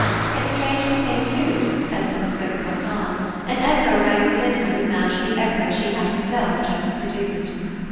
Yet strange to say too, as Mrs. Wix went on, an echo rang within her that matched the echo she had herself just produced.